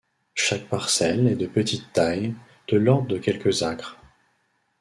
Chaque parcelle est de petite taille, de l'ordre de quelques acres.